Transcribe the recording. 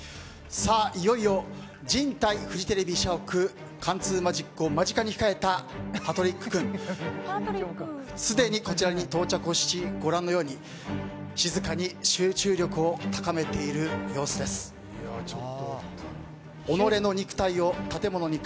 いよいよ、人体フジテレビ社屋貫通マジックを間近に控えたパトリック・クンすでにこちらに到着をしご覧のように静かにさぁしあわせをシェアしよう。